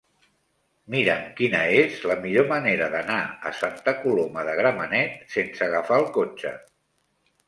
Mira'm quina és la millor manera d'anar a Santa Coloma de Gramenet sense agafar el cotxe.